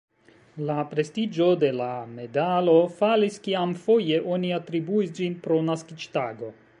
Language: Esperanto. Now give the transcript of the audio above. La prestiĝo de la medalo falis kiam foje oni atribuis ĝin pro naskiĝtago.